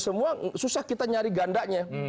semua susah kita nyari gandanya